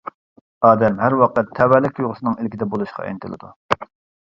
ئادەم ھەر ۋاقىت تەۋەلىك تۇيغۇسىنىڭ ئىلكىدە بولۇشقا ئىنتىلىدۇ.